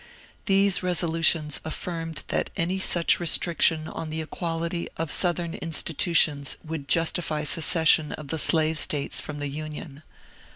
These resolutions afiBrmed that any such restriction on the equality of Southern institu tions would justify secession of the Slave States from the Union.